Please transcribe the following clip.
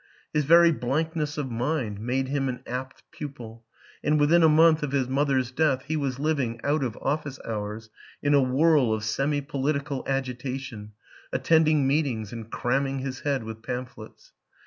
His very blankness of mind made him an apt pupil, and within a month of his mother's death he was living, out of office hours, in a whirl erf semi political agitation, attending meetings and cram ming his head with pamphlets.